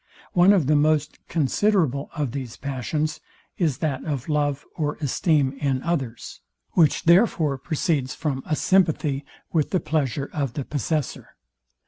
One of the most considerable of these passions is that of love or esteem in others, which therefore proceeds from a sympathy with the pleasure of the possessor.